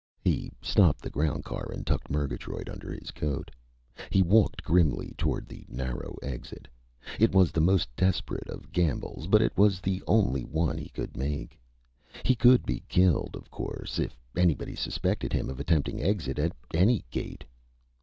He stopped the ground car and tucked Murgatroyd under his coat. He walked grimly toward the narrow exit. It was the most desperate of gambles, but it was the only one he could make. He could be killed, of course, if anybody suspected him of attempting exit at any gate.